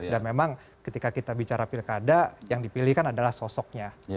dan memang ketika kita bicara pilkada yang dipilihkan adalah sosoknya